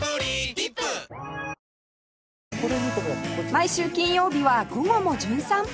毎週金曜日は『午後もじゅん散歩』